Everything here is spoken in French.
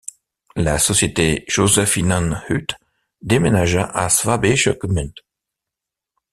La société Josephinenhütte déménagea à Schwäbisch Gmünd.